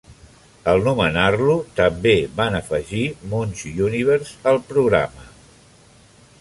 Al nomenar-lo, també van afegir Munch Universe al programa.